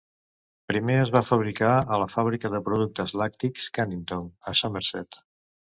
Primer es va fabricar a la fàbrica de productes lactis Cannington, a Somerset.